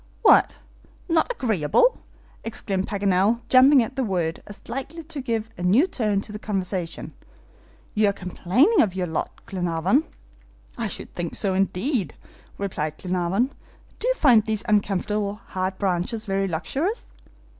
"What! not agreeable!" exclaimed Paganel, jumping at the word as likely to give a new turn to the conversation. "You are complaining of your lot, Glenarvan." "I should think so, indeed," replied Glenarvan. "Do you find these uncomfortable hard branches very luxurious?"